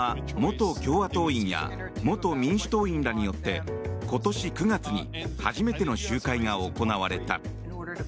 前進党は元共和党員や元民主党員らによって今年９月に初めての集会が行われた。